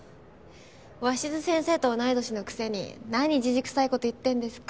鷲津先生と同い年のくせに何じじくさいこと言ってんですか。